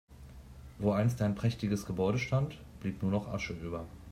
Wo einst ein prächtiges Gebäude stand, blieb nur noch Asche über.